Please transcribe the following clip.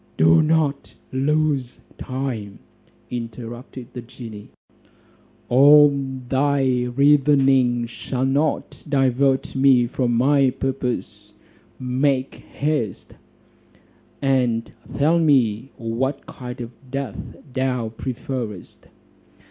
"Do not lose time," interrupted the genie; "all thy reasonings shall not divert me from my purpose: make haste, and tell me what kind of death thou preferest?"